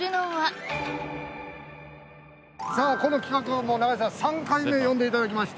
この企画はもう中西さん３回目呼んでいただきました。